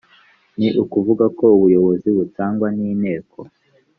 ni ukuvugako ubuyobozi butangwa n’inteko